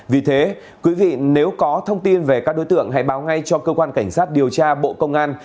vì thế quý vị nếu có thông tin về các đối tượng hãy báo ngay cho cơ quan cảnh sát điều tra bộ công an